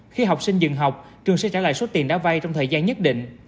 khi học sinh dừng học trường sẽ trả lại số tiền đã vay trong thời gian nhất định